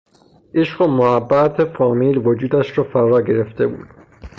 عشق و محبت فامیل وجودش را فرا گرفته بود.